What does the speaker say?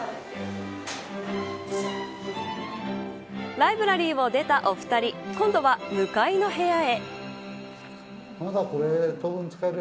ライブラリーを出たお二人今度は向かいの部屋へ。